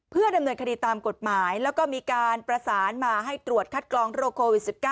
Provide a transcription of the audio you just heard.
เพื่อดำเนินคดีตามกฎหมายแล้วก็มีการประสานมาให้ตรวจคัดกรองโรคโควิด๑๙